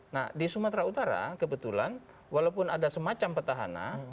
nah di sumatera utara kebetulan walaupun ada semacam petahana